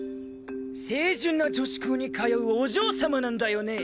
清純な女子校に通うお嬢様なんだよね？